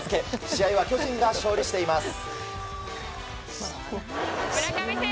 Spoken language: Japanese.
試合は巨人が勝利しています。